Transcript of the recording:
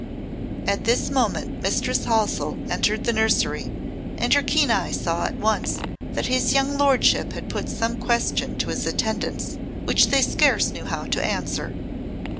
At this moment Mistress Halsell entered the nursery, and her keen eye saw at once that his young Lordship had put some question to his attendants which they scarce knew how to answer.